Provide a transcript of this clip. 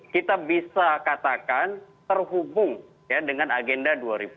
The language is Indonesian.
kita bisa katakan terhubung dengan agenda dua ribu dua puluh